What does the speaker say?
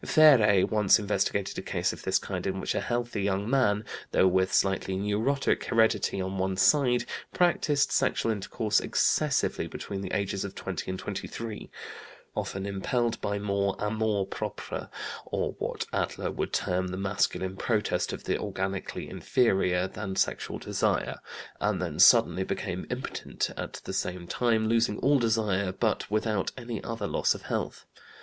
Féré once investigated a case of this kind in which a healthy young man (though with slightly neurotic heredity on one side) practised sexual intercourse excessively between the ages of 20 and 23 often impelled more by amour propre (or what Adler would term the "masculine protest" of the organically inferior) than sexual desire and then suddenly became impotent, at the same time losing all desire, but without any other loss of health.